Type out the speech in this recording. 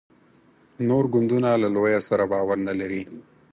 نور ګوندونه له لویه سره باور نه لري.